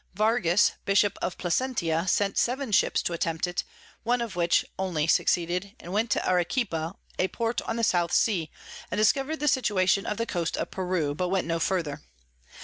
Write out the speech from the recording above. Vargas Bishop of Placentia sent 7 Ships to attempt it, one of which only succeeded, went to Arequipa a Port on the South Sea, and discover'd the Situation of the Coast of Peru; but went no further.